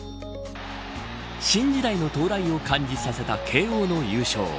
新時代の到来を感じさせた慶応の優勝。